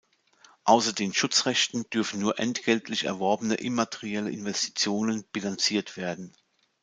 Außer den Schutzrechten dürfen nur entgeltlich erworbene immaterielle Investitionen bilanziert werden.